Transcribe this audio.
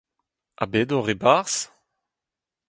Ha bet oc’h e-barzh ?